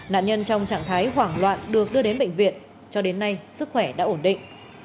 nạn nhân trong trạng thái hoảng loạn được đưa đến bệnh viện cho đến nay sức khỏe đã ổn định